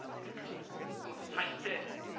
もう最低！